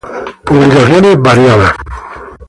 Publicaciones variadas.